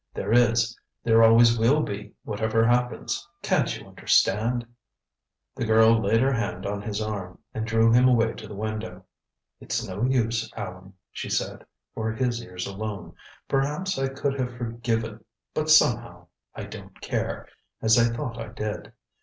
There is there always will be, whatever happens. Can't you understand " The girl laid her hand on his arm, and drew him away to the window. "It's no use, Allan," she said, for his ears alone. "Perhaps I could have forgiven but somehow I don't care as I thought I did.